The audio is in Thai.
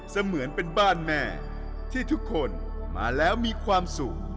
เสมือนเป็นบ้านแม่ที่ทุกคนมาแล้วมีความสุข